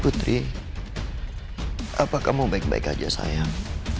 putri apa kamu baik baik aja sayang